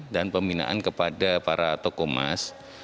dan pembinaan kepada para tokomas